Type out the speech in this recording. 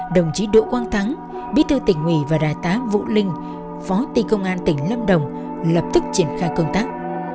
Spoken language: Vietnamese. đồng chí đỗ quang thắng bí thư tỉnh ủy và đại tá vũ linh phó tì công an tỉnh lâm đồng lập tức triển khai công tác